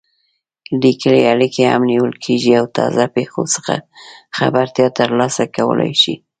لیکلې اړیکې هم نیول کېږي او تازه پېښو څخه خبرتیا ترلاسه کولای شي.